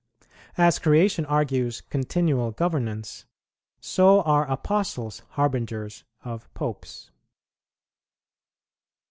As creation argues continual governance, so are Apostles harbingers of Popes.